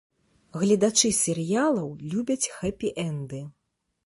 Гледачы серыялаў любяць хэпі-энды.